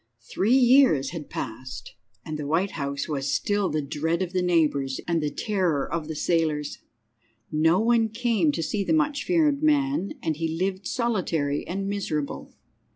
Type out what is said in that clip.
II. Three years had passed, and the White House was still the dread of the neighbours and the terror of the sailors. No one came to see the much feared man, and he lived solitary and miserable.